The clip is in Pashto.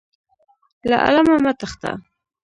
له علمه مه تښته.